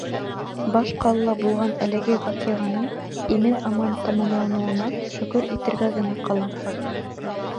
Баш ҡалала булған әлеге ваҡиғаның имен-аман тамамланыуына шөкөр итергә генә ҡала.